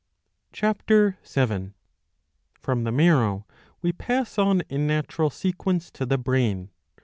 (Ch. y.) From the marrow we pass on in natural sequence to the brain.